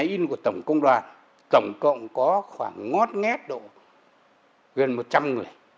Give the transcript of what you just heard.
và nhà in của tổng công đoàn tổng cộng có khoảng ngót nghét độ gần một trăm linh người